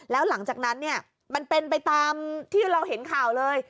แล้วหลังจากนั้นเนี่ยมันเป็นไปตามที่เราเห็นข่าวเลย